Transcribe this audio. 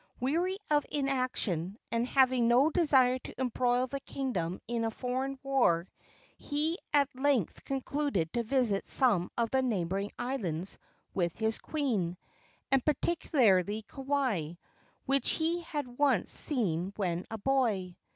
Weary of inaction, and having no desire to embroil the kingdom in a foreign war, he at length concluded to visit some of the neighboring islands with his queen, and particularly Kauai, which he had once seen when a boy.